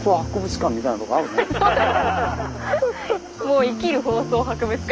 もう生きる放送博物館。